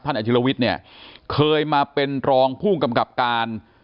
อาชิลวิทย์เนี่ยเคยมาเป็นรองผู้กำกับการ